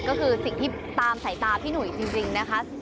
ก็คือสิ่งที่ตามสายตาพี่หนุ่ยจริงนะคะ